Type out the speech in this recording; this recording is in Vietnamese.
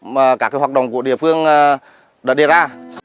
cả cái hoạt động của địa phương đã đề ra